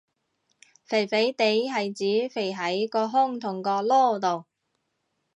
肥肥哋係指肥喺個胸同個籮度